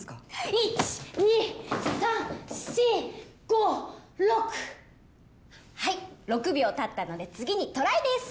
１２３４５６はい６秒たったので次にトライです